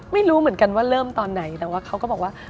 ไม่รู้เหมือนกันว่าเริ่มตอนไหนแต่ว่าเขาก็บอกว่า